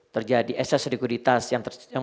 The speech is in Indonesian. terjadi asas likuiditas yang